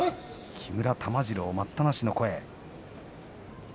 木村玉治郎待ったなしの声。